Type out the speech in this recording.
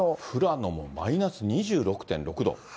富良野もマイナス２６．６度。